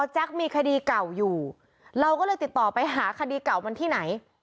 มีคดีเก่าอยู่เราก็เลยติดต่อไปหาคดีเก่ามันที่ไหน